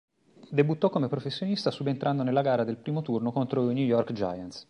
Debuttò come professionista subentrando nella gara del primo turno contro i New York Giants.